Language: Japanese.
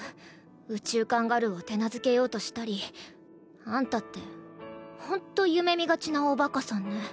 宇宙カンガルーを手なずけようとしたりあんたって本当夢見がちなお馬鹿さんね。